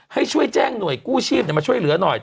ให้ช่วยแจ้งหน่วยกู้ชีพมาช่วยเหลือหน่อย